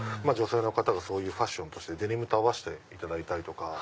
女性がそういうファッションとしてデニムと合わせていただいたり。